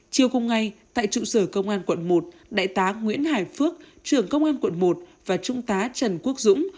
chiều cùng ngày tại trụ sở công an quận một đại tá nguyễn hải phước trưởng công an quận một và trung tá trần quốc dũng